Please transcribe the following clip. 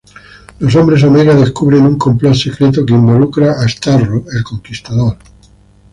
Los Hombres Omega descubren un complot secreto que involucra Starro el conquistador.